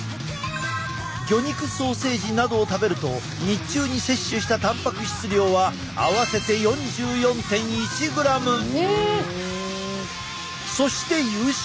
魚肉ソーセージなどを食べると日中に摂取したたんぱく質量は合わせてそして夕食。